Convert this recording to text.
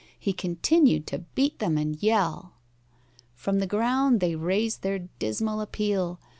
He continued to beat them and yell. From the ground they raised their dismal appeal.